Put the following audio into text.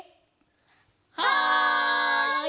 はい！